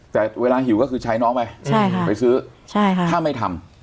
แต่เวลาหิวก็คือใช้น้องไปใช่ค่ะไปซื้อใช่ค่ะถ้าไม่ทำ